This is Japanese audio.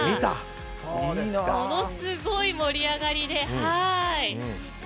ものすごい盛り上がりで。